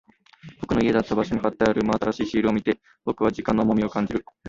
僕の家だった場所に貼ってある真新しいシールを見て、僕は時間の重みを感じる。